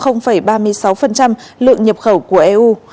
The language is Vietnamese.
lượng nhập khẩu của eu